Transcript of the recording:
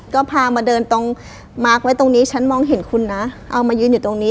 ก็พามาเดินตรงมาร์คไว้ตรงนี้ฉันมองเห็นคุณนะเอามายืนอยู่ตรงนี้